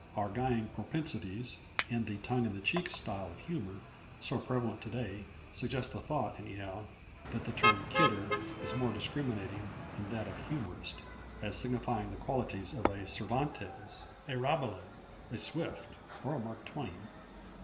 Our guying propensities, and the tongue in the cheek style of humor so prevalent to day, suggest the thought anyhow that the term kidder is more discriminating than that of humorist, as signifying the qualities of a Cervantes, a Rabelais, a Swift, or a Mark Twain.